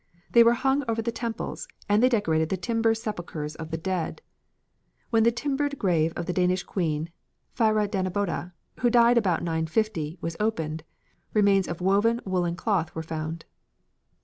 They were hung over the temples, and they decorated the timber sepulchres of the dead. When the timbered grave of the Danish queen, Fyra Danabode, who died about 950, was opened, remains of woven woollen cloth were found."